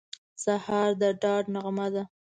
سهار د ډاډ نغمه ده.